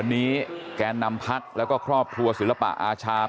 วันนี้แกนนำพักแล้วก็ครอบครัวศิลปะอาชา